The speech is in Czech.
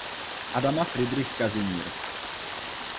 Adama Fridrich Kazimír.